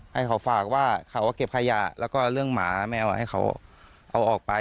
ให้เขาฝากว่าเขาก็เก็บขยะแล้วก็เรื่องหมาแมวให้เขาเอาออกไป